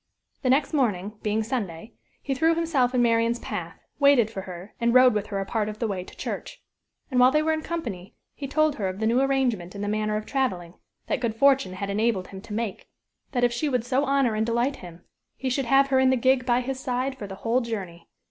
The next morning being Sunday, he threw himself in Marian's path, waited for her, and rode with her a part of the way to church. And while they were in company, he told her of the new arrangement in the manner of traveling, that good fortune had enabled him to make that if she would so honor and delight him, he should have her in the gig by his side for the whole journey.